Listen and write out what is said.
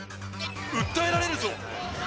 訴えられるぞ。